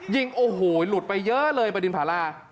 ยิงโอ้โหหลุดไปเยอะเลยบดินภารา